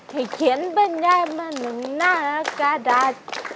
ให้เขียนบรรยายมาหนึ่งหน้ากระดาษ